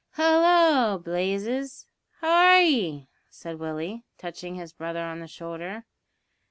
"Hallo, Blazes! how are ye?" said Willie, touching his brother on the shoulder.